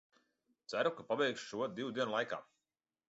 Ceru, ka pabeigšu šo divu dienu laikā.